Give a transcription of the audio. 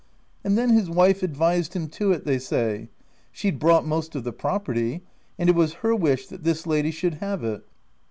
And then his wife advised him to it, they say : she'd brought most of the property, and it was her wish that this lady should have it."